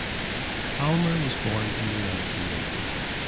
Palmer was born in the United Kingdom.